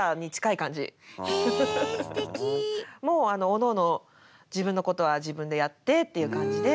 おのおの自分のことは自分でやってっていう感じで。